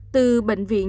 từ bệnh viện